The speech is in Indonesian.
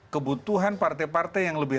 kebutuhan partai partai yang lebih